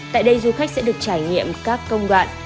tại đây du khách sẽ được trải nghiệm các công đoạn